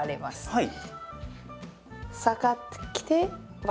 はい。